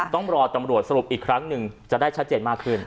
ต้องรอตำรวจสรุปอีกครั้งหนึ่งจะได้ชัดเจนมากขึ้น